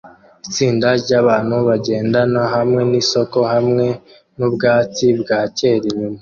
Itsinda ryabantu bagendana hamwe nisoko hamwe nubwubatsi bwa kera inyuma